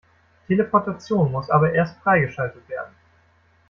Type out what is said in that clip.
Teleportation muss aber erst freigeschaltet werden.